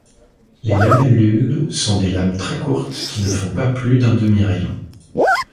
Les lamellules sont des lames très courtes qui ne font pas plus d'un demi-rayon.